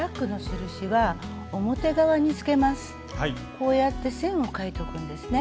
こうやって線を書いとくんですね。